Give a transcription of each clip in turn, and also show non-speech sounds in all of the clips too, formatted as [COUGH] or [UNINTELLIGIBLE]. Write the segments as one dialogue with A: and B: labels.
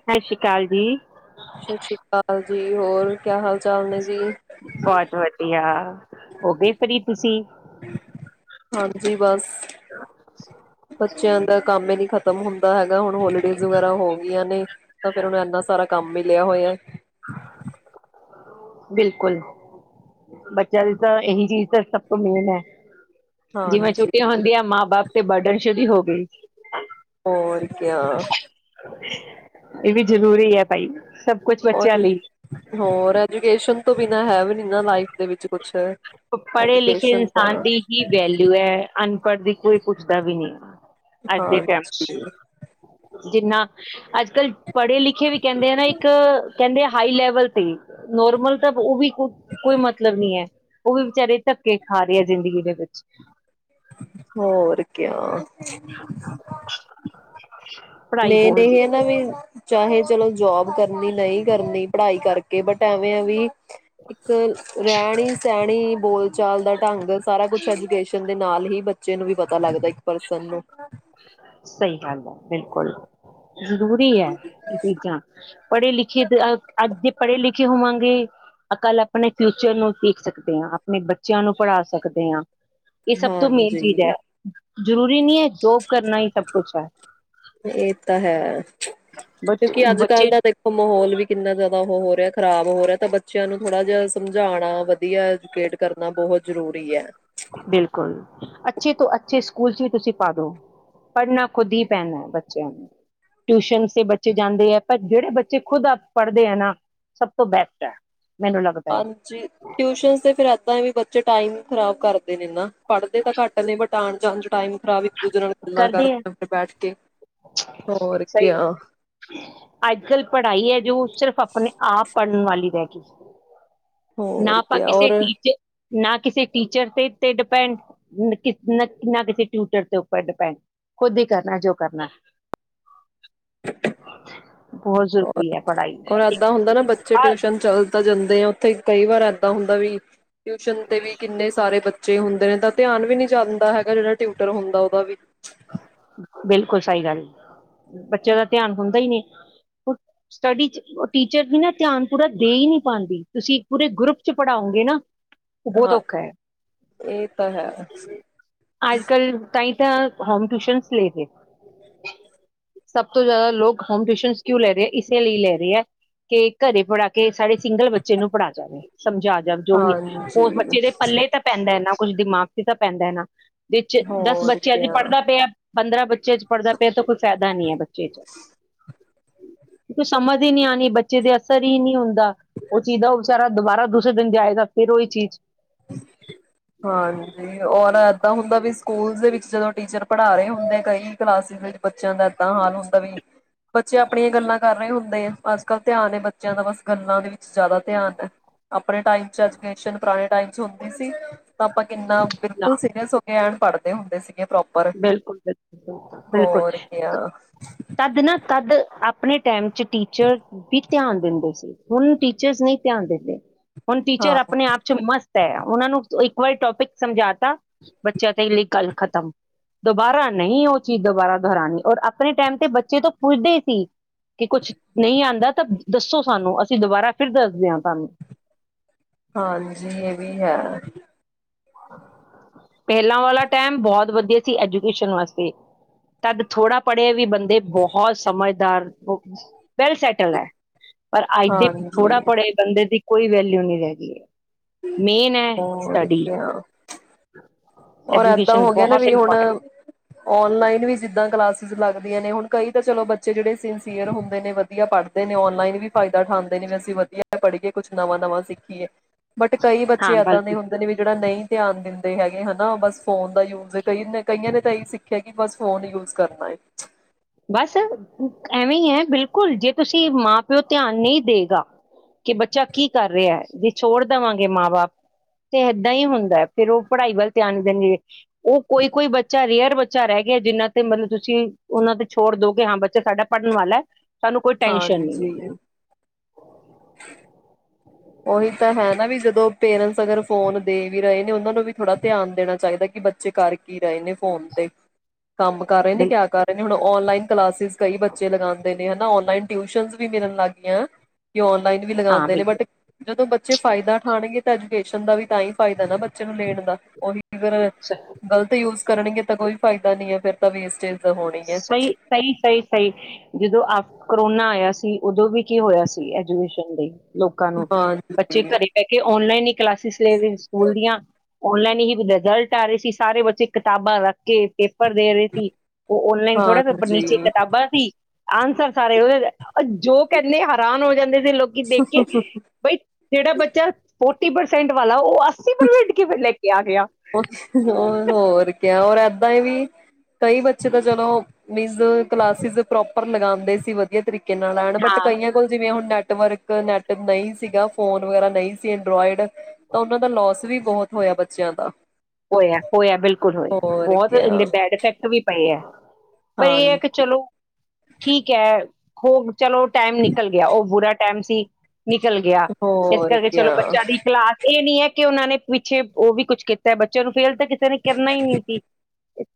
A: ਸਤਿ ਸ੍ਰੀ ਅਕਾਲ ਜੀ
B: ਸਤਿ ਸ੍ਰੀ ਅਕਾਲ ਜੀ ਹੋਰ ਕਿਆ ਹਾਲ ਚਾਲ ਨੇ ਜੀ?
A: ਬਹੁਤ ਵਧੀਆ। ਹੋ ਗਏ ਫ੍ਰੀ ਤੁਸੀਂ?
B: ਹਾਂਜੀ ਬਸ ਬੱਚਿਆਂ ਦਾ ਕੰਮ ਹੀ ਨੀ ਖਤ ਖ਼ਤਮ ਹੁੰਦਾ ਹੈਗਾ ਹੁਣ ਹੋਲੀਡੇਜ਼ ਵਗੈਰਾ ਹੋ ਗਈਆਂ ਨੇ ਤਾਂ ਫੇਰ ਉਹਨੂੰ ਇੰਨਾ ਸਾਰਾ ਕੰਮ ਮਿਲ ਲਿਆ ਹੋਇਆ।
A: ਬਿਲਕੁਲ ਬੱਚਿਆਂ ਦੀ ਤਾਂ ਇਹੀ ਚੀਜ਼ ਤਾਂ ਸਭ ਤੋਂ ਮੇਨ ਹੈ। ਜਿਵੇਂ
B: ਹਾਂਜੀ
A: ਛੁੱਟੀਆਂ ਹੁੰਦੀਆਂ ਮਾਂ ਬਾਪ ਤੇ ਬਰਡਨ ਸ਼ੁਰੂ ਹੋ [INAUDIBLE]
B: ਹੋਰ ਕਿਆ?
A: ਇਹ ਵੀ ਜ਼ਰੂਰੀ ਹੈ ਭਾਈ ਸਭ। ਕੁਛ
B: ਹੋਰ
A: ਬੱਚਿਆਂ ਲਈ।
B: ਹੋਰ ਐਜੂਕੇਸ਼ਨ, ਤੋਂ ਬਿਨਾਂ ਹੈ ਵੀ ਨੀ ਨਾ ਲਾਈਫ ਦੇ ਵਿੱਚ। ਕੁਛ
A: ਪੜ੍ਹੇ ਲਿਖੇ
B: ਐਜੂਕੇਸ਼ਨ ਤਾਂ
A: ਇਨਸਾਨ ਦੀ ਹੀ ਵੈਲਿਊ ਹੈ। ਅਨਪੜ੍ਹ ਦੀ ਕੋਈ ਪੁੱਛਦਾ ਵੀ ਨਹੀਂ ਅੱਜ ਦੇ ਟਾਈਮ
B: ਹਾਂਜੀ
A: ਚ ਜਿੰਨਾ ਅੱਜ ਕੱਲ। ਪੜ੍ਹੇ ਲਿਖੇ ਵੀ ਕਹਿੰਦੇ ਆ ਨਾ ਇੱਕ ਕਹਿੰਦੇ ਆ। ਹਾਈ ਲੈਵਲ ਤੇ ਨੋਰਮਲ ਤਾਂ ਉਹ ਵੀ ਕੋਈ ਮਤਲਬ ਨੀ ਹੈ। ਉਹ ਵੀ ਵਿਚਾਰੇ ਧਕੇ ਖਾ ਰਹੇ ਆ ਜ਼ਿੰਦਗੀ ਦੇ ਵਿੱਚ।
B: ਹੋਰ ਕਿਆ। [INAUDIBLE]
A: ਪੜ੍ਹਾਈ
B: ਮੇਨ ਇਹ
A: ਬਹੁਤ
B: ਹੈ ਨਾ ਵੀ। ਚਾਹੇ ਚਲੋ ਜੌਬ। ਕਰਨੀ ਨਹੀਂ, ਕਰਨੀ ਪੜ੍ਹਾਈ ਕਰਕੇ ਬਟ ਐਵੇਂ ਵੀ। ਇੱਕ ਰਹਿਣੀ ਸਹਿਣੀ ਬੋਲ ਚਾਲ ਦਾ ਢੰਗ। ਸਾਰਾ ਕੁਝ ਐਜੂਕੇਸ਼ਨ, ਦੇ ਨਾਲ ਹੀ ਬੱਚੇ ਨੂੰ ਵੀ ਪਤਾ ਲੱਗਦਾ ਇੱਕ ਪਰਸਨ ਨੂੰ।
A: ਸਹੀ ਗੱਲ ਹੈ। ਬਿਲਕੁਲ ਜ਼ਰੂਰੀ ਹੈ, ਇਹ ਚੀਜ਼ਾਂ। ਪੜ੍ਹੇ ਲਿਖੇ ਅੱਜ ਜੇ ਪੜ੍ਹੇ ਲਿਖੇ ਹੋਵਾਂਗੇ ਅ ਕੱਲ ਆਪਣੇ ਫਿਊਚਰ ਨੂੰ ਦੇਖ ਸਕਦੇ ਹਾਂ। ਆਪਣੇ ਬੱਚਿਆਂ ਨੂੰ ਪੜ੍ਹਾ ਸਕਦੇ ਹਾਂ। ਇਹ ਸਭ ਤੋਂ ਮੇਨ ਚੀਜ਼
B: ਹਾਂਜੀ
A: ਹੈ। ਜ਼ਰੂਰੀ ਨਹੀਂ ਹੈ ਜੋੋ ਕਰਨਾ ਹੀ ਸਭ ਕੁਛ ਹੈ।
B: ਇਹ ਤਾਂ ਹੈ।
A: ਬਟ
B: ਕਿਉਂਕਿ ਅੱਜ ਕੱਲ
A: ਬੱਚੇ
B: ਦਾ ਦੇਖੋ ਮਾਹੌਲ ਵੀ ਕਿੰਨਾ ਜਿਆਦਾ ਉਹ ਹੋ ਰਿਹਾ। ਖਰਾਬ ਹੋ ਰਿਹਾ ਤਾਂ ਬੱਚਿਆਂ ਨੂੰ ਥੋੜਾ ਜਿਹਾ ਸਮਝਾਣਾ ਵਧੀਆਂ ਐਜੂਕੇਟ ਕਰਨਾ ਬਹੁਤ ਜਰੂਰੀ ਹੈ।
A: ਬਿਲਕੁਲ ਅੱਛੇ ਤੋਂ ਅੱਛੇ ਸਕੂਲ ਚ ਵੀ ਤੁਸੀਂ ਪਾਦੋ। ਪੜ੍ਹਨਾ ਖੁਦ ਹੀ ਪੈਣਾਂ ਹੈ ਬੱਚਿਆਂ ਨੂੰ। ਟਿਊਸ਼ਨ ਦੇ ਬੱਚੇ ਜਾਂਦੇ ਹੈ ਪਰ ਜਿਹੜੇ ਬੱਚੇ ਖੁਦ ਪੜ੍ਹਦੇ ਹੈ ਨਾ ਸਭ ਤੋਂ ਬੈਸਟ ਹੈ। ਮੈਨੂੰ ਲੱਗਦਾ ਹੈ
B: ਹਾਂਜੀ ਟਿਊਸ਼ਨ ਤੇ ਫੇਰ ਏਦਾ ਵੀ ਚ ਟਾਈਮ ਖ਼ਰਾਬ ਕਰਦੇ ਨੇ ਨਾ। ਪੜ੍ਹਦੇ ਤਾਂ ਘੱਟ ਨੇ ਬਟ ਆਨ ਜਾਨ ਚ ਟਾਈਮ ਖ਼ਰਾਬ ਇੱਕ ਦੂਜੇ ਨਾਲ ਗੱਲਾਂ
A: ਕਰਦੇ ਹੈ।
B: ਫਿਰ ਬੈਠ ਕੇ ਹੋਰ
A: ਸਹੀ
B: ਕਿਆ
A: ਐ ਅੱਜ ਕੱਲ ਪੜ੍ਹਾਈ ਹੈ ਜੋ ਸਿਰਫ਼ ਆਪਣੇ ਆਪ ਪੜ੍ਹਨ ਵਾਲੇ [UNINTELLIGIBLE]
B: ਹੋਰ ਕਿਆ ਔਰ।
A: ਨਾ ਕਿਸੇ ਟੀਚਰ ਤੇ ਤੇ ਡਿਪੈਂਡ, ਨ ਨਾ ਨ ਕਿਸੇ ਟਿਉਟਰ ਦੇ ਉੱਪਰ ਡਿਪੈਂਡ, ਖੁਦ ਈ ਕਰਨਾ ਜੋ ਕਰਨਾ। ਬਹੁਤ
B: ਹੋਰ
A: ਜ਼ਰੂਰੀ ਹੈ ਪੜ੍ਹਾਈ
B: ਹੋਰ ਏਦਾਂ ਹੁੰਦਾ ਨਾ ਬੱਚੇ
A: ਹਾਂ
B: ਟਿਊਸ਼ਨ ਚੱਲ ਤਾਂ ਜਾਂਦੇ ਤੇ ਉੱਥੇ ਕਈ ਵਾਰ ਏਦਾ ਹੁੰਦਾ ਵਈ ਟਿਊਸ਼ਨ ਤੇ ਵੀ ਕਿੰਨੇ ਸਾਰੇ ਬੱਚੇ ਬੱਚੇ ਹੁੰਦੇ ਨੇ ਤਾਂ ਧਿਆਨ ਵੀ ਨੀ ਜਾਂਦਾ ਹੈਗਾ। ਜਿਹੜਾ ਟਿਊਟਰ ਹੁੰਦਾ ਉਹਦਾ ਵੀ।
A: ਬਿਲਕੁਲ ਸਹੀ ਗੱਲ ਬੱਚਿਆਂ ਦਾ ਧਿਆਨ ਹੁੰਦਾ ਹੀ ਨਹੀਂ। ਹੁ ਸਟੱਡੀ ਚ ਉਹ ਟੀਚਰ ਵੀ ਨਾ ਧਿਆਨ ਪੂਰਾ ਦੇ ਹੀ ਨਹੀਂ ਪਾਉਂਦੀ। ਤੁਸੀਂ ਪੂਰੇ ਗਰੁੱਪ ਚ ਪੜ੍ਹਾਓਗੇ ਨਾਂ। ਬਹੁਤ
B: ਹਾਂ
A: ਔਖਾ ਹੈ।
B: ਇਹ ਤਾਂ ਹੈ
A: ਅੱਜ ਕੱਲ ਤਾਈ ਤਾਂ ਹੋਮ ਟਿਊਸ਼ਨ ਲੈ ਰਹੇ। ਸਭ ਤੋਂ ਜ਼ਿਆਦਾ ਲੋਕ ਹੋਮ ਟਿਊਸ਼ਨ ਕਿਉ ਲੈ ਰਹੇ ਹੈ। ਇਸੇ ਲਈ ਲੈ ਰਹੇ ਹੈ ਕਿ ਘਰੇ ਪੜ੍ਹਾ ਕੇ ਸਾਡੇ ਸਿੰਗਲ ਬੱਚੇ ਨੂੰ ਪੜ੍ਹਾ ਜਾਵੇ। ਸਮਝਾ ਜਾਣ ਜੋ ਵੀ ਹੈ। ਉਹ ਉਸ
B: ਹਾਂਜੀ
A: ਬੱਚੇ ਦੇ ਪੱਲੇ ਤਾਂ ਪੈਂਦਾ ਨਾ। ਕੁਝ ਦਿਮਾਗ ਤੇ ਤਾਂ ਪੈਂਦਾ ਹੈ ਨਾ। ਦਿਨ ਚ ਦਸ
B: ਹੋਰ
A: ਬੱਚੇ ਆਗਏ
B: ਕਿਆ
A: ਪੜ੍ਹਦਾ ਪਿਆ ਪੰਦਰਾਂ ਬੱਚੇ ਚ ਪੜ੍ਹਦਾ ਪਿਆ ਤੇ ਕੋਈ ਫਾਇਦਾ ਨਹੀਂ ਹੈ ਬੱਚੇ ਚ। ਕੁਝ ਸਮਝ ਹੀ ਨਹੀਂ ਆਉਣੀ ਬੱਚੇ ਦੇ ਅਸਰ ਹੀ ਨਹੀਂ ਹੁੰਦਾ। ਉਹ ਚੀਜ਼ ਦਾ ਉਹ ਵਿਚਾਰਾ ਦੁਬਾਰਾ ਦੂਸਰੇ ਦਿਨ ਜਾਏਗਾ ਫਿਰ ਉਹੀ ਚੀਜ਼।
B: ਹਾਂਜੀ ਔਰ ਏਦਾਂ ਹੁੰਦਾ ਵੀ ਸ ਸਕੂਲ ਦੇ ਵਿੱਚ ਜਦੋਂ ਟੀਚਰ ਪੜ੍ਹਾ ਰਹੇ ਹੁੰਦੇ ਕਈ ਕਲਾਸਿਸ ਵਿੱਚ ਬੱਚਿਆਂ ਦਾ ਏਦਾਂ ਹਾਲ ਹੁੰਦਾ ਵੀ ਬੱਚੇ ਆਪਣੀਆਂ ਗੱਲਾਂ ਕਰ ਰਹੇ ਹੁੰਦੇ ਐ। ਅੱਜ ਕੱਲ੍ਹ ਧਿਆਨ ਏ ਬੱਚਿਆਂ ਦਾ ਬਸ ਗੱਲਾਂ ਦੇ ਵਿਚ ਜ਼ਿਆਦਾ ਧਿਆਨ ਹੈ। ਆਪਣੇ ਟਾਈਮ ਚ ਐਜੂਕੇਸ਼ਨ ਪੁਰਾਣੇ ਟਾਈਮ ਰੋਂਦੀ ਸੀ। ਆਪਾਂ ਕਿੰਨਾ
A: ਨਾ
B: ਬਿਲਕੁਲ ਸੀਰੀਅਸ ਹੋ। ਕੈਣ ਪੜ੍ਹਦੇ ਹੁੰਦੇ ਸੀ।
A: ਬਿਲਕੁਲ, ਬਿਲਕੁਲ, ਬਿਲਕੁਲ, ਬਿਲਕੁਲ
B: ਹੋਰ ਕਿਆ
A: ਤਦ ਨਾ ਤਦ ਆਪਣੇ ਟੈਮ ਚ ਟੀਚਰ ਵਿ ਧਿਆਨ ਦਿੰਦੇ ਸੀ। ਹੁਣ ਟੀਚਰਸ ਨਈ ਧਿਆਨ ਦਿੰਦੇ। ਹੁਣ ਟੀਚਰ
B: ਹਾਂ
A: ਆਪਣੇ ਆਪ ਚ ਮਸਤ ਐ, ਉਹਨਾਂ ਨੂੰ ਕੋਈ ਕੋਈ ਟੋਪਿਕ ਸਮਝਾ ਤਾ, ਬੱਚਿਆਂ ਤੇ ਈ ਲਈ ਗੱਲ ਖਤਮ। ਦੁਬਾਰਾ ਨਹੀਂ ਉਹ ਚੀਜ਼ ਦੁਬਾਰਾ ਦੁਹਰਾਉਣੀ ਔਰ ਆਪਣੇ ਟਾਈਮ ਤੇ ਬੱਚੇ ਤੋਂ ਪੁੱਛਦੇ ਹੀ ਸੀ ਕਿ ਕੁੱਛ ਨਹੀਂ ਆਉਂਦਾ ਤਾਂ ਦੱਸੋ ਸਾਨੂੰ ਅਸੀਂ ਦੁਬਾਰਾ ਫਿਰ ਦੱਸਦੇ ਹਾਂ ਤੁਹਾਨੂੰ
B: ਹਾਂਜੀ, ਇਹ ਵੀ ਹੈ।
A: ਪਹਿਲਾਂ ਵਾਲਾ ਟਾਈਮ ਬਹੁਤ ਵਧੀਆ ਸੀ, ਐਜੂਕੇਸ਼ਨ ਵਾਸਤੇ ਤਦ ਥੋੜ੍ਹਾ ਪੜ੍ਹਿਆ ਵੀ ਦੇ ਬਹੁਤ ਸਮਝ [UNINTELLIGIBLE] ਬਾਹਰਲੇ ਦੇਸ਼ ਵਿਚ ਵੈਲ ਸੈਟਲਡ ਹੈ ਪਰ ਅੱਜ ਦੇ
B: ਹਾਂਜੀ
A: ਥੋੜ੍ਹਾ ਪੜ੍ਹੇ ਬੰਦੇ ਦੀ ਕੋਈ ਵੈਲਿਊ ਨਹੀਂ ਰਹਿ ਗਈ ਮੇਨ ਐ ਸਟੱਡੀ।
B: ਅ ਔਰ ਏਦਾਂ
A: ਐਜੂਕੇਸ਼ਨ
B: ਹੋ ਗਿਆ ਨਾ
A: ਬਹੁਤ
B: ਵੀ, ਹੁਣ
A: ਇੰਪੋਰਟੈਂਟ
B: ਓਨਲਾਈਨ ਵੀ ਸਿਦਾਂ ਕਲਾਸਿਸ ਲਗ ਦੀਏ ਨੇ ਹੁਣ ਕਈ ਤਾਂ ਚਲੋ ਬੱਚੇ ਜਿਹੜੇ ਸਿੰਸੀਅਰ ਹੁੰਦੇ ਨੇ, ਵਧੀਆ ਪੜ੍ਹਦੇ ਨੇ, ਓਂਲਾਈਨ ਵੀ ਫਾਇਦਾ ਉਠਾਉਂਦੇ ਨੇ, ਵੈਸੇ ਵਧੀਆ ਪੜ੍ਹੀਏ, ਕੁਛ ਨਵਾਂ ਨਵਾਂ ਸਿੱਖੀਏ। ਬਟ ਕਈ ਬੱਚੇ
A: ਹਾਂ
B: ਇੱਦਾਂ ਦੇ
A: ਬਲਕਿ
B: ਹੁੰਦੇ ਨੇ ਵੀ ਜਿਹੜਾ ਨਈ ਧਿਆਨ ਦਿੰਦੇ ਹੈਗੇ ਹਨ। ਹਾਂ, ਬਸ ਫੋਨ ਦਾ ਯੂਜ ਕਈ ਕਈਆਂ ਨੇ ਤਾਂ ਇਹੀ ਸਿੱਖਿਆ ਕਿ ਬਸ ਫੋਨ ਯੂਜ ਕਰਨਾ ਹੈ ਚ।
A: ਬਸ ਐਵੇਂ ਈ ਐ। ਬਿਲਕੁਲ ਜੇ ਤੁਸੀਂ ਮਾਂ ਪਿਓ ਧਿਆਨ ਨਈ ਦੇਗਾ ਕਿ ਬੱਚਾ ਕੀ ਕਰ ਰਿਆ ਐ। ਛੋੜ ਦਵਾਂਗੇ ਮਾਂ ਬਾਪ ਤੇ ਇੱਧਾਂ ਈ ਹੁੰਦੈ। ਫੇਰ ਉਹ ਪੜ੍ਹਾਈ ਵੱਲ ਧਿਆਨ ਦੇਣਗੇ, ਉਹ ਕੋਈ-ਕੋਈ ਬੱਚਾ ਰੇਅਰ ਬੱਚਾ ਰਹਿ ਗਿਆ ਜਿਹਨਾਂ ਤੇ ਮਤਲਬ ਤੁਸੀ ਉਹਨਾਂ ਤੇ ਛੋੜ ਦੋਗੇ ਹਾਂ ਬੱਚ ਬੱਚਾ ਸਾਡਾ ਪੜ੍ਹਨ ਵਾਲੈ। ਸਾਨੂੰ ਕੋਈ ਟੈਸ਼ਨ ਨਹੀਂ ਹੈ।
B: ਹਾਂਜੀ [UNINTELLIGIBLE] ਉਹੀ ਤਾਂ ਹੈ ਨਾ ਵੀ ਜਦੋਂ ਪੇਰੈਂਟਸ ਅਗਰ ਫੋਨ ਦੇ ਵੀ ਰਹੇ ਨੇ ਉਹਨਾਂ ਨੂੰ ਵੀ ਥੋੜ੍ਹਾ ਧਿਆਨ ਦੇਣਾ ਚਾਹੀਦੈ ਕਿ ਬੱਚੇ ਕਰ ਕੀ ਰਹੇ ਨੇ ਫੋਨ ਤੇ। ਕੰਮ ਕਰ ਰਹੇ ਨੇ, ਕਿਆ
A: ਬਿਲਕੁਲ
B: ਕਰ ਰਹੇ ਨੇ ਹੁਣ ਉਹ। ਔਨਲਾਈਨ ਕਲਾਸਿਸ ਕਈ ਬੱਚੇ ਲਗਾਉਂਦੇ ਨੇ ਹੁਣ ਆਨਲਾਈਨ ਟਿਊਸ਼ਨ ਵੀ ਮਿਲਨ ਲੱਗ ਗਈਆਂ। ਕਿ ਔਨਲਾਈਨ ਵੀ
A: ਹਾਂ
B: ਲਗਾਉਂਦੇ ਨੇ ਬਟ
A: ਬਿਲਕੁਲ
B: ਜਦੋਂ ਬੱਚੇ ਫਾਇਦਾ ਉਠਾਣਗੇ ਤਾਂ ਐਜੂਕੇਸ਼ਨ ਦਾ ਵੀ ਤਾਂ ਹੀ ਫਾਇਦਾ ਨਾ ਬੱਚੇ ਨੂੰ ਲੈਣ ਦਾ ਉਹੀ ਅਗਰ ਗ਼ਲਤ ਯੂਜ ਕਰਨਗੇ ਤਾਂ ਕੋਈ ਫਾਇਦਾ ਨੀ ਹੈ, ਫੇਰ ਤਾਂ ਵੇਸਟ ਐ।
A: ਸਹੀ ਸਹੀ ਸਹੀ ਸਹੀ ਜਦੋਂ ਆਪ ਕਰੋਨਾ ਆਇਆ ਸੀ ਉਦੋਂ ਵੀ ਕੀ ਹੋਇਆ ਸੀ? ਐਜੂਕੇਸ਼ਨ ਲਈ। ਲੋਕਾਂ ਨੂੰ, ਬੱਚੇ
B: ਹਾਂਜੀ
A: ਘਰੇ ਬਹਿ ਕੇ ਔਨਲਾਈਨ ਨੀ। ਕਲਾਸਿਸ ਲੈ ਰਹੇ ਸਕੂਲ ਦੀਆਂ। ਔਨਲਾਈਨ ਹੀ ਰਿਜ਼ਲਟ ਆ ਰਹੇ ਸੀ ਸਾਰੇ ਬੱਚੇ ਕਿਤਾਬਾਂ ਰੱਖ ਕੇ ਪੇ ਪੇਪਰ ਦੇ ਰਹੇ ਸੀ। ਉਹ ਔਨਲਾਈਨ ਥੋੜ੍ਹਾ ਨੀਚੇ
B: ਹਾਂਜੀ
A: ਕਿਤਾਬਾਂ ਸੀ। ਆਨਸਰ ਸਾਰੇ ਉਹਦੇ ਆ ਆ ਜੋ ਕਹਿੰਦੇ ਹੈਰਾਨ ਹੋ ਜਾਂਦੇ ਲੋਕੀਂ ਦੇਖ ਕੇ ਬਈ ਜਿਹੜਾ ਬੱਚਾ ਫੋ ਥਰਟੀ ਪ੍ਰਸੈਂਟ ਵਾਲਾ ਉਹ ਅੱਸੀ ਪ੍ਰਸੈਂਟ ਕਿਵੇ ਲੈ ਕੇ ਆ ਗਿਆ
B: ਹੋਰ ਹੋਰ ਕਿਆ ਹੋਰ ਅਬ। ਐਵੀਂ। ਕਈ ਬੱਚੇ ਤਾਂ ਚਲੋ ਮੀਨਸ ਕਲਾਸਿਸ ਪ੍ਰੋਪ ਰ ਲਗਾਉਦੇ ਸੀ ਵਧੀਆ ਤਰੀਕੇ [UNINTELLIGIBLE] ਕਿੰਨਾਂ ਲੈਣ ਬਟ
A: ਹਾਂ
B: ਕਈ ਆ ਕੋਲ ਜੀਵੇ ਨੈਟ ਨੈਟਵਰਕ ਨੈਟ ਨਹੀਂ ਸੀਗਾ, ਫੋਨ ਵਗੈਰਾ ਨਹੀਂ ਸੀ, ਐਡਰਾੋਇਡ। ਤਾਂ ਉਹਨਾਂ ਦਾ ਲੋਸ ਵੀ ਬਹੁਤ ਹੋਇਆ, ਪਰ ਸਮਾਨ ਦਾ।
A: ਹੋਇਆ ਹੋਇਆ ਬਿਲਕੁਲ ਹੋਇਆ,
B: ਹੋਰ
A: ਬਹੁਤ ਇਹਦੇ
B: ਕਿਆ
A: ਬੈਡ ਇਫੈਕਟ ਵੀ ਪਏ ਏ। ਪਰ ਇਹ ਹੈ, ਕਿ
B: ਹਾਂਜੀ
A: ਚਲੋ, ਠੀਕ ਹੈ। ਹੋਰ। ਚਲੋ ਟਾਈਮ ਨਿਕਲ ਗਿਆ, ਉਹ ਬੁਰੇ ਟੈਮ ਸੀ। ਨਿਕਲ ਗਿਆ ਇਸ
B: ਹੋਰ
A: ਕਰਕੇ ਚੱਲੋ
B: ਕਿਆ
A: ਬੱਚਿਆਂ ਦੀ ਕਲਾਸ ਇਹ ਨੀ ਹੈ। ਕੇ ਉਹਨਾਂ ਨੇ ਪਿੱਛੇ ਉਹ ਵੀ ਕੁੱਛ ਕੀਤਾ ਤੇ ਬੱਚੇ ਨੂੰ ਫੇਲ ਤਾਂ ਕਿਸੇ ਨੇ ਕਿਨਾ ਹੀ ਨਹੀਂ ਸੀ,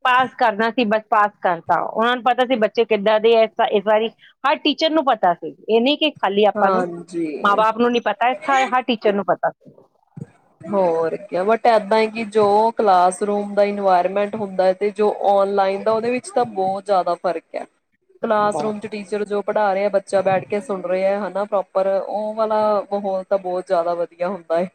A: ਪਾਸ ਕਰਨਾ ਸੀ ਬਸ। ਪਾਸ ਕਰਤਾ ਉਹਨਾਂ ਨੂੰ ਪਤਾ ਸੀ, ਬੱਚੇ ਕਿੱਦਾਂ ਦੇ ਹੈ ਇਸ ਵਾਰੀ, ਹਰ ਟੀਚਰ ਨੂੰ ਪਤਾ ਸੀ ਇਹ ਨਹੀਂ ਕਿ ਖਾਲੀ ਆਪਾਂ ਨੂੰ,
B: ਹਾਂਜੀ।
A: ਮਾਂ ਬਾਪ ਨੂੰ ਨੀ ਪਤਾ, ਇੱਥੇ ਹਰ ਟੀਚਰ ਨੂੰ ਪਤਾ।
B: ਹੋਰ ਕਿਆ, ਬਟ ਆਪਾ ਏਹ ਕਿ ਜੋ ਕਲਾਸ ਰੂਮ ਦਾ ਇਨਵਾਇਰਮੈਂਟ ਹੁੰਦਾ ਏ ਤੇ ਜੋ ਔਨਲਾਈਨ, ਓਦੇ ਵਿਚ ਤਾਂ ਬਹੁਤ ਜਿਆਦਾ ਫ਼ਰਕ ਆ। ਕਲਾਸਰੂਮ ਚ ਟੀਚਰ ਜੋ ਪੜ੍ਹਾ ਰਿਹਾ ਬੱਚ ਬੱਚਾ ਬੈਠ ਕੇ ਸੁਣ ਆ ਦੇਖਾ ਰੇਹਾ ਹੈ ਹਨਾ ਪ੍ਰੋਪਰ ਉਹ ਵਾਲਾ ਮਾਹੌਲ ਤਾਂ ਬਹੁਤ ਜ਼ਿਆਦਾ ਵਧੀਆ ਹੁੰਦਾ ਹੈ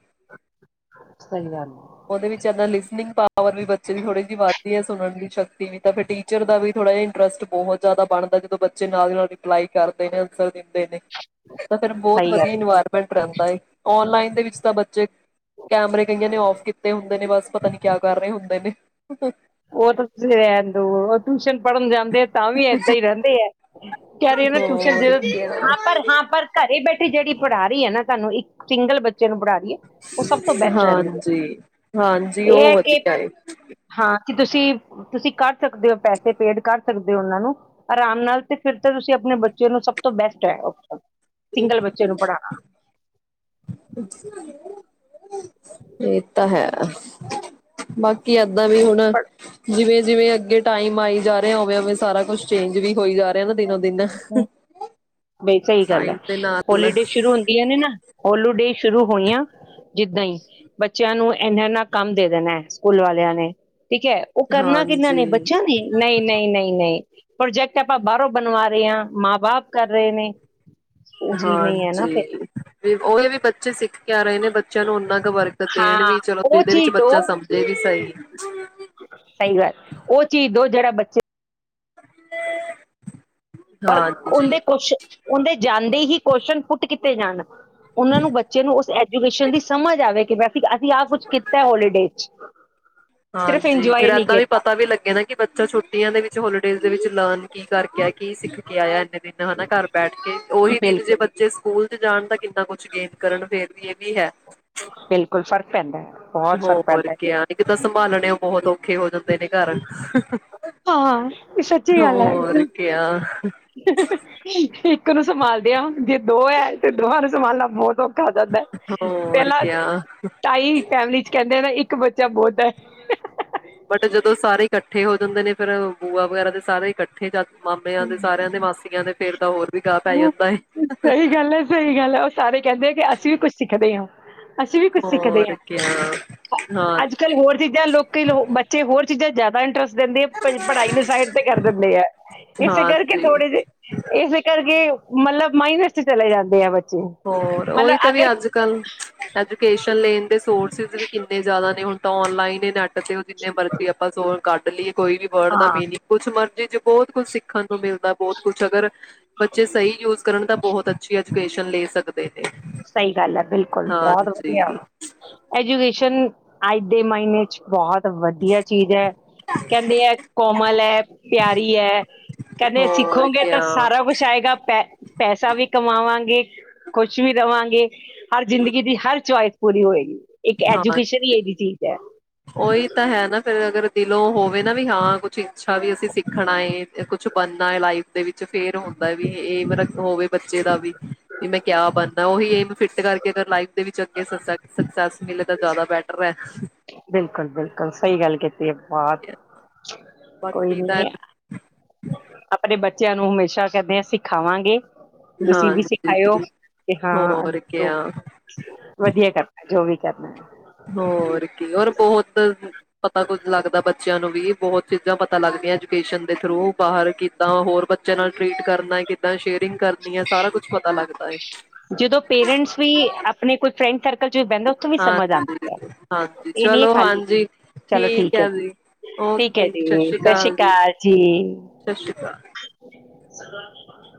B: ਉਹਦੇ ਵਿੱਚ ਲਿਸਨਿੰਗ ਪਾਵਰ ਵੀ ਬੱਚੇ ਦੀ ਥੋੜੀ ਜਿਹੀ ਵੱਧਦੀ ਹੈ ਸੁਣਨ ਦੀ ਸ਼ਕਤੀ ਵੀ ਤਾਂ ਫਿਰ ਟੀਚਰ ਦਾ ਵੀ ਥੋੜ੍ਹਾ ਜਿਹਾ ਇੰਟਰਸਟ ਬਹੁਤ ਜ਼ਿਆਦਾ ਬਣਦਾ ਜਦੋਂ ਬੱਚੇ ਨਾਲ ਨਾਲ ਰਿਪਲਾਈ ਕਰਦੇ ਨੇ ਆਨਸਰ ਦੇ ਤਾ ਫਿਰ ਬਹੁਤ
A: ਸਹੀ ਗੱਲ
B: ਵਧੀਆ ਇਨਵਾਰਮੈਂਟ ਤਨ ਦਾ ਈ ਔਨਲਾਈਨ ਦੇ ਵਿੱਚ ਤਾਂ ਬੱਚਾ ਜੇ ਕੈਮਰੇ ਕਈਆਂ ਨੇ ਆਫ ਕੀਤੇ ਹੁੰਦੇ ਨੇ ਬਸ ਪਤਾ ਨਹੀਂ ਕਿਆ ਕਰ ਰਹੇ ਹੁੰਦੇ ਨੇ
A: ਉਹ ਤਾਂ ਟਿਊਸ਼ਨ ਪੜ੍ਹਨ ਜਾਣੇ ਤੇ ਤਾਂ ਵੀ ਇਦਾਂ ਹੀ ਰਹਿੰਦੇ ਐ ਕਹਿ ਰਹੇ ਨੇ ਟਿਊਸ਼ਨ ਜ
B: ਹੋਰ ਕਿਆ
A: ਹਾਂ ਪਰ ਹਾਂ ਪਰ ਘਰੇ ਜਿਹੜੀ ਪੜਾ ਰਹੀ ਹੈ ਨਾ ਤੁਹਾਨੂੰ ਇੱਕ ਸਿੰਗਲ ਬੱਚੇ ਨੂੰ ਬੜਾ
B: ਹਾਂ ਜੀ ਹਾਂ ਜੀ ਉਹ ਵਧੀਆ
A: ਕੀ ਤੁਸੀਂ ਤੁਸੀਂ ਕੱਰ ਸਕਦੇ ਹੋ ਪੈਸੇ ਪੇਡ ਕਰ ਸਕਦੇ ਉਹਨਾਂ ਨੂੰ ਆਰਾਮ ਨਾਲ ਤੇ ਫਿਰ ਤਾਂ ਤੁਸੀਂ ਆਪਣੇ ਬੱਚੇ ਨੂੰ ਸਭ ਤੋਂ ਬੈਸਟ ਹ ਸਿੰਗਲ ਬੱਚੇ ਨੂੰ ਪੜ੍ਹਾਣਾ।
B: ਇਹ ਤਾਂ ਹੈ। ਬਾਕੀ ਏਦਾਂ ਵੀ ਹੁਣ ਜਿਵੇਂ ਜਿਵੇਂ ਅੱਗੇ ਟਾਈਮ ਆਈ ਜਾ ਰਿ ਓਵੇਂ ਓਵੇਂ ਸਾਰਾ ਕੁਛ ਚੇਂਜ ਵੀ ਹੋਈ ਜਾ ਰਿ
A: ਨਹੀਂ ਬਈ ਸਹੀ ਗੱਲ ਹੈ,
B: ਟਾਈਮ ਦੇ ਨਾਲ
A: ਹੋਲੀਡੇ ਸ਼ੁਰੂ ਹੁੰਦੀਆ ਨੇ ਨਾ ਹੋਲੋ ਡੇ ਸ਼ੁਰੂ ਹੋਈਆਂ ਜਿੱਦਾਂ ਹੀ ਬੱਚਿਆਂ ਨੂੰ ਐਨਾ ਐਨਾ ਕੰਮ ਦੇ ਦੇਣਾ ਸਕੂਲ ਵਾਲਿਆਂ ਨੇ ਠੀਕ ਹੈ, ਉਹ ਕਰਨਾ ਕਿਹਨਾ ਨੇ
B: ਹਾਂਜੀ
A: ਬੱਚਿਆਂ ਨੇ ਨਹੀਂ ਨਹੀਂ ਨਹੀਂ ਨਹੀਂ ਪ੍ਰੋਜੈਕਟ ਆਪਾਂ ਬਾਹਰੋਂ। ਬਣਵਾ ਰਹੇ, ਆ ਮਾਂ ਬਾਪ ਕਰ ਰਹੇ ਨੇ ਉਹ ਚੀਜ਼ ਨਹੀਂ ਹੈ ਨਾ ਫਿਰ
B: ਹਾਂਜੀ ਉਹੀ ਆ ਵੀ ਬੱਚੇ ਸਿੱਖ ਕਹਿ ਰਹੇ ਨੇ ਬੱਚਿਆਂ ਨੂੰ ਓਨਾਂ ਕ ਵਰਕ ਦੇਣ
A: ਹਾਂ
B: ਵੀ ਚਲੋ,
A: ਉਹ
B: ਇਹਦੇ ਵਿੱਚ
A: ਚੀਜ਼
B: ਬੱਚਾ
A: ਦੋ
B: ਸਮਝੇ ਵੀ ਸਹੀ
A: ਸਹੀ ਗੱਲ ਉਹ ਚੀਜ਼ ਦੋ ਜਿਹੜਾ ਬੱਚੇ।
B: [INAUDIBLE]
A: ਪਰ
B: ਹਾਂਜੀ
A: ਉਦੇ ਕੁਛ ਉਦੇ ਜ਼ਿਆਦਾ ਦੇ ਹੀ ਕੋਸ਼ਚਨ ਪੁੱਟ ਕੀਤੇ ਜਾਣ। ਉਹਨਾਂ ਨੂੰ ਬੱਚੇ ਨੂੰ ਉਸ ਐਜੂਕੇਸ਼ਨ ਦੀ ਸਮਝ ਆਵੇ। [INAUDIBLE] ਅਸੀਂ ਆਹ ਕੁਛ ਕੀਤਾ ਹੋਲੀਡੇ ਚ ਇਕ
B: ਹਾਂ ਜੀ, ਫੇਰ ਏਦਾਂ ਵੀ ਪਤਾ ਵੀ ਲੱਗੇ ਨਾ ਕਿ ਬੱਚਾ ਛੁੱਟੀਆਂ ਦੇ ਵਿੱਚ ਹੋਲੀਡੇਜ਼ ਦੇ ਵਿੱਚ ਲੋ ਕੀ ਕਰਕੇ ਆ? ਕੀ ਸਿੱਖ ਕੇ ਆਇਆ? ਇੰਨੇ ਦਿਨ ਹਨਾ? ਘਰ ਬੈਠ ਕੇ ਉਹੀ ਦਿਨ। ਜੇ
A: ਬਿਲਕੁਲ
B: ਬੱਚੇ ਸਕੂਲ ਚ ਜਾਣ ਤਾਂ ਕਿੰਨਾ ਕੁਛ ਗੇਂਨ ਕਰਨ? ਫੇਰ ਵੀ ਇਹ ਵੀ ਹੈ।
A: ਬਿਲਕੁਲ ਫ਼ਰਕ ਪੈਂਦਾ ਹੈ ਬਹੁਤ ਫ਼ਰਕ
B: ਹੋਰ
A: ਪੈਂਦਾ ਹੈ
B: ਕ ਨ, ਕਿਦਾਂ ਸੰਭਾਲ? ਨੇ, ਉਹ ਬਹੁਤ ਔਖੇ ਹੋ ਜਾਂਦੇ ਨੇ ਘਰ।
A: ਹਾਂ, ਇਹ ਸੱਚੀ ਗੱਲ ਹੈ।
B: ਹੋਰ ਕਿਆ
A: ਇੱਕ ਨੂੰ ਸੰਭਾਲਦੇ ਆ, ਜੇ ਦੋ ਹੈ ਤੇ ਦੋਹਾਂ ਨੂੰ ਸੰਭਾਲਣਾ ਬਹੁਤ ਹੋ। ਖਾ ਜਾਂਦਾ
B: ਹੋਰ
A: ਪਹਿਲਾਂ,
B: ਕਿਆ
A: ਾਈ ਫੈਮਿਲੀ ਚ ਕਹਿੰਦੇ। ਮੇਰਾ ਇੱਕ ਬੱਚਾ, ਬਹੁਤ ਹੈ।
B: ਬਟ, ਜਦੋਂ ਸਾਰੇ ਇਕੱਟ। ਇਕੱਠੇ ਹੋ ਜਾਂਦੇ ਨੇ, ਫਿਰਰ ਬੂਆ ਵਗੈਰਾ ਦੇ ਸਾਰੇ ਇਕੱਠੇ ਜਾ। ਮਾਮਿਆਂ ਦੇ, ਸਾਰਿਆਂ ਦੇ, ਮਾਸੀਆਂ ਦੇ, ਫੇਰ ਤਾਂ ਹੋਰ ਵੀ ਗਾਹ ਪੈ ਜਾਂਦਾ।
A: ਸਹੀ ਗੱਲ ਹੈ ਸਹੀ ਗੱਲ ਹੈ ਉਹ ਸਾਰੇ ਕਹਿੰਦੇ ਕਿ ਅਸੀਂ ਵੀ ਕੁਛ ਸਿੱਖਦੇ ਆ ਅਸੀਂ ਵੀ ਕੁਛ ਸਿੱਖਦੇ
B: ਹੋਰ
A: ਆ
B: ਕਿਆ
A: ਅੱਜ ਕੱਲ੍ਹ
B: ਹਾਂਜੀ।
A: ਹੋਰ ਚੀਜ਼ਾਂ ਲੋਕੀ ਲੋ ਬੱਚੇ ਹੋਰ ਚੀਜ਼ਾਂ ਜ਼ਿਆਦਾ ਇੰਟਰਸਟ ਦਿੰਦੇ ਪ ਪੜ੍ਹਾਈ ਨੂੰ ਸਾਈਡ ਤੇ ਕਰ ਦਿੰਦੇ ਹੈ। ਏਸੇ ਕਰਕੇ
B: ਹਾਂਜੀ
A: ਥੋੜੇ ਦੇ ਏਸੇ ਕਰਕੇ ਕੀ ਮਤਲਬ ਮਾਈਨਸ ਚ ਚਲੇ ਜਾਂਦੇ ਆ ਬੱ
B: ਹੋਰ ਉਹੀ ਤਾਂ ਵੀ ਅੱਜ ਕੱਲ੍ਹ ਐਜੂਕੇਸ਼ਨ ਲਈ। ਸੋਰਸਿਸ ਵੀ ਕਿੰਨੇ ਜ਼ਿਆਦਾ ਨੇ ਹੁਣ ਔਨਲਾਈਨ ਨੈ ਉਹ ਜਿੰਨੇ ਮਰਜ਼ੀ ਆਪਾਂ ਸੋ ਕੱਢ ਲਈਏ। ਕੋਈ ਵੀ ਵਰਡ ਦਾ
A: ਹਾਂ
B: ਮੀਨਿੰਗ ਕੁਛ ਮਰਜ਼ੀ ਚ ਬਹੁਤ ਕੁੱਛ ਸਿੱਖਣ ਨੂੰ ਮਿਲਦਾ ਬਹੁਤ ਕੁਛ ਅਗਰ ਬੱਚੇ ਸਹੀ ਯੂਜ ਕਰਨ ਤਾ ਬਹੁਤ ਅੱਛੀ ਐਜੂਕੇਸ਼ਨ ਲੈਸ ਸਕਦੇ।
A: ਸਹੀ ਗੱਲ ਏ ਬਿਲਕੁਲ ਬਹੁਤ ਵਧੀਆ,
B: ਹਾਂਜੀ
A: ਐਜੂਕੇਸ਼ਨ ਅੱਜ ਦੇ ਮਹੀਨੇ ਚ ਬਹੁਤ ਵਧੀਆ ਚੀਜ਼ ਹੈ ਕਹਿੰਦੇ ਏ ਕੋਮਲ ਏ ਪਿਆਰੀ ਏ ਕਹਿੰਦੇ
B: ਹੋਰ
A: ਸਿੱਖੋਗੇ ਤਾਂ
B: ਕਿਆ
A: ਸਾਰਾ ਕੁਛ ਆਏਗਾ ਪੈ ਪੈਸਾ ਵੀ ਕਮਾਵਾਂਗੇ ਕੁਛ ਵੀ ਦੇਵਾਂਗੇ। ਹਰ ਜ਼ਿੰਦਗੀ ਦੀ ਹਰ ਚੁਆਇਸ ਪੂਰੀ ਹੋਏਗੀ ਇੱਕ ਐਜੂਕੇਸ਼ਨ ਹੀ
B: ਹਾਂਜੀ
A: ਇਹੀ ਚੀਜ਼ ਹੈ
B: ਉਹੀ ਤਾਂ ਹੈ ਨਾ ਫੇਰ ਅਗਰ, ਦਿਲੋਂ ਹੋਵੇ ਨਾ ਵੀ ਹਾਂ ਕੁਛ ਇੱਛਾ ਵੀ ਅਸੀਂ ਸਿੱਖਣਾ ਏ ਕੁਛ ਬਣਨਾ ਏ ਲਾਈਫ ਦੇ ਵਿੱਚ ਫੇਰ ਹੁੰਦਾ ਵੀ ਏਮ ਰੱਖੋ ਹੋਵੇ ਬੱਚੇ ਦਾ ਵੀ ਵੀ ਮੈਂ ਕਿਆ ਬਣਨਾ ਉਹੀ ਏਮ ਫਿਟ ਕਰਕੇ ਅ ਲਾਈਫ ਦੇ ਵਿੱਚ ਅੱ ਸਕਸੈਸ ਮਿਲੇ ਤਾਂ ਜ਼ਿਆਦਾ ਬੈਟਰ ਹੈ
A: ਬਿਲਕੁਲ ਬਿਲਕੁਲ ਸਹੀ ਗੱਲ ਕੀਤ ਇਹ ਬਾਤ
B: ਬਸ ਫਰੀ ਦਾ ਹੈ।
A: ਆਪਣੇ ਬੱਚਿਆਂ ਨੂੰ ਹਮੇਸ਼ਾ ਕਹਿੰਦੇ ਆ ਸਿਖਾਵਾਂਗੇ। ਤੁਸੀਂ ਵੀ
B: ਹਾਂਜੀ
A: ਸਿਖਾਇਓ, ਕਿ ਹਾਂ ਅਗੇ
B: ਹੋਰ
A: ਤੋਂ
B: ਕਿਆ
A: ਵਧੀਆ ਕਰਨਾ ਜੋ ਵੀ ਕਰਨੇ ਆ।
B: ਹੋਰ ਕੀ ਹੋਰ ਬਹੁਤ ਪਤਾ ਕੁੱਝ ਲੱਗਦਾ ਬੱ ਬੱਚਿਆਂ ਨੂੰ ਵੀ ਬਹੁਤ ਚੀਜ਼ਾਂ ਪਤਾ ਲੱਗਦੀਆਂ ਐਜੂਕੇਸ਼ਨ ਦੇ ਥਰੂ ਬਾਹਰ ਕਿੱਦਾਂ ਹੋਰ ਬੱਚਿਆਂ ਨਾਲ ਟ੍ਰੀਟ ਕਰਨਾ ਕਿੱਦਾਂ ਸ਼ੇਅਰਿੰਗ ਕਰਨੀ ਹੈ ਸਾਰਾ ਕੁਛ ਪਤਾ ਲੱਗਦਾ ਹੈ।
A: ਜਦੋਂ ਪੇਰੈਂਟਸ ਵੀ ਆਪਣੇ ਕੋਈ ਫਰੈਂਡ ਸਰ ਲ ਬਹਿੰਦਾ ਉੱਥੋਂ ਵੀ ਸਮਝ ਆਉਂਦੀ ਹੈ
B: ਹਾਂਜੀ, ਹਾਂਜੀ
A: ਇਹ ਨੀ ਹੈ
B: ਚਲੋ
A: ਖਾਲੀ
B: ਹਾਂਜੀ
A: ਚਲੋ ਠੀਕ ਹੈ ਜੀ ਠੀਕ ਹੈ
B: ਓਕੇ
A: ਜੀ
B: ਸ਼੍ਰੀ
A: ਸਤਿ ਸ੍ਰੀ
B: ਜੀ,
A: ਅਕਾਲ ਜੀ
B: ਸਤਿ ਸ਼੍ਰੀ ਅਕਾਲ।
A: [INAUDIBLE]